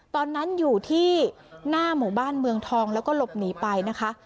ตอนที่อยู่ที่หน้าหมู่บ้านเมืองทองแล้วก็หลบหนีไปนะคะ